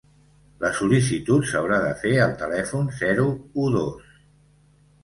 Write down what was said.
La sol·licitud s’haurà de fer al telèfon zero u dos.